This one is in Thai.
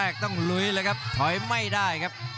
ไทรัตต้องแรกต้องลุยเลยครับถอยไม่ได้ครับ